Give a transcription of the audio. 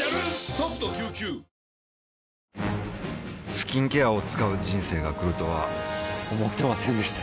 スキンケアを使う人生が来るとは思ってませんでした